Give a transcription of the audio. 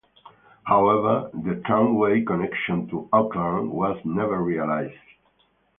However, the tramway connection to Auckland was never realized.